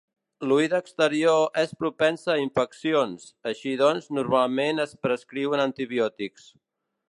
L'oïda exterior és propensa a infeccions, així doncs normalment es prescriuen antibiòtics.